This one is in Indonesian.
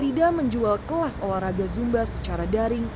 rida menjual kelas olahraga zumba secara daring